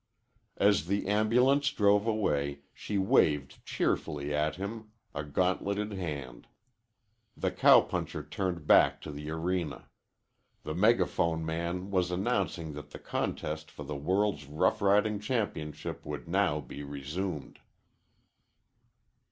As the ambulance drove away she waved cheerfully at him a gauntleted hand. The cowpuncher turned back to the arena. The megaphone man was announcing that the contest for the world's rough riding championship would now be resumed.